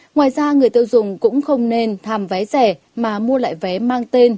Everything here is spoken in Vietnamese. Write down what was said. ngoài ra người tiêu dùng cũng không nên tham vé rẻ mà mua lại vé mang tên